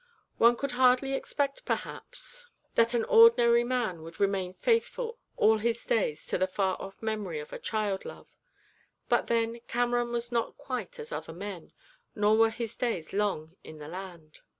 One would hardly expect, perhaps, that an ordinary man would remain faithful all his days to the far off memory of a child love; but then Cameron was not quite as other men, nor were his days long in the land.